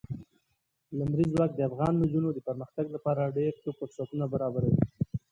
لمریز ځواک د افغان نجونو د پرمختګ لپاره ډېر ښه فرصتونه برابروي.